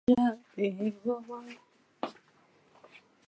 基隆神社是日治时期位在台湾台北州基隆市义重町的神社。